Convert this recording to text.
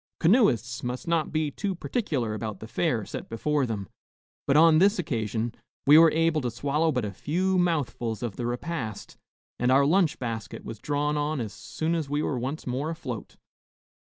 Canoeists must not be too particular about the fare set before them; but on this occasion we were able to swallow but a few mouthfuls of the repast and our lunch basket was drawn on as soon as we were once more afloat.